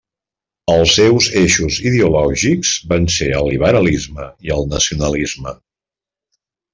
Els seus eixos ideològics van ser el liberalisme i el nacionalisme.